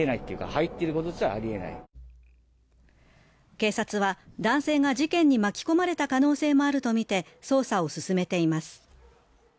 警察は男性が事件に巻き込まれた可能性もあるとみて捜査を進めています。